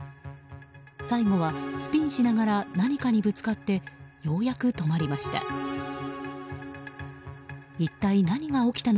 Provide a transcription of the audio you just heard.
最後はスピンしながら何かにぶつかってようやく止まりました。